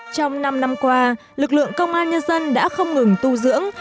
trong năm năm qua lực lượng công an nhân dân đã không ngừng tu dưỡng